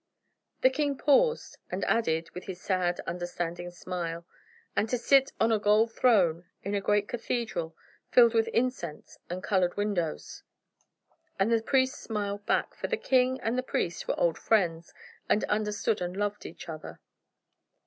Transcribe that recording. The king paused, and added, with his sad, understanding smile, "and to sit on a gold throne, in a great cathedral, filled with incense and colored windows." And the priest smiled back; for the king and the priest were old friends and understood and loved each other.